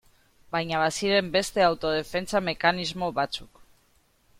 Baina baziren beste autodefentsa mekanismo batzuk.